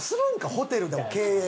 ホテルでも経営。